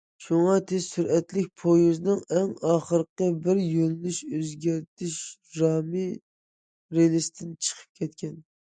شۇڭا تېز سۈرئەتلىك پويىزنىڭ ئەڭ ئاخىرقى بىر يۆنىلىش ئۆزگەرتىش رامى رېلىستىن چىقىپ كەتكەن.